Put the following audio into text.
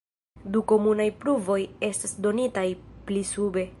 Du komunaj pruvoj estas donitaj pli sube.